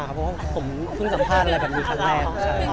เพราะว่าผมเพิ่งสัมภาษณ์อะไรแบบนี้ครั้งแรก